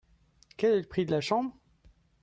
Quel est le prix de la chambre ?